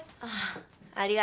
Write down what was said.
ああ。